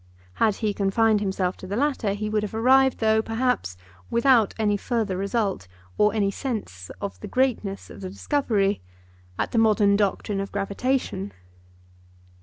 Had he confined himself to the latter he would have arrived, though, perhaps, without any further result or any sense of the greatness of the discovery, at the modern doctrine of gravitation.